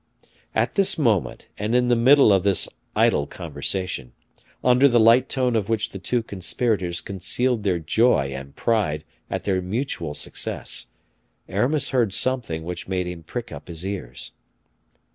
At this moment, and in the middle of this idle conversation, under the light tone of which the two conspirators concealed their joy and pride at their mutual success, Aramis heard something which made him prick up his ears.